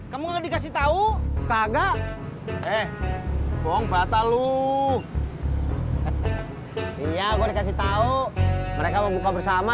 kamu dikasih tahu kagak eh bong bata lu iya gue kasih tahu mereka membuka bersama